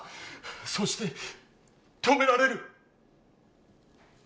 そして止められる！